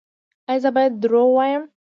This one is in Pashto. ایا زه باید دروغ ووایم؟